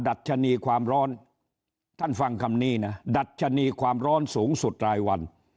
ัชนีความร้อนท่านฟังคำนี้นะดัชนีความร้อนสูงสุดรายวัน